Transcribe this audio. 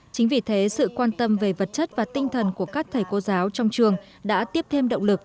chính vì thế sự quan tâm về vật chất và tinh thần của các thầy cô giáo trong trường đã tiếp thêm động lực